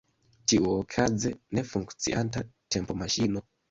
Ĉiuokaze, ne funkcianta tempomaŝino.